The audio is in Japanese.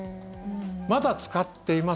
まだ使っています